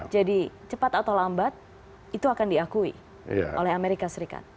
jadi cepat atau lambat itu akan diakui oleh amerika serikat